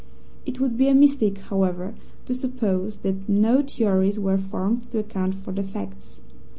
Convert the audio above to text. It would be a mistake, however, to suppose that no theories were formed to account for the facts.